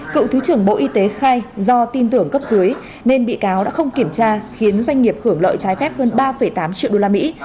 cựu thứ trưởng bộ y tế khai do tin tưởng cấp dưới nên bị cáo đã không kiểm tra khiến doanh nghiệp hưởng lợi trái phép hơn ba tám triệu đô la mỹ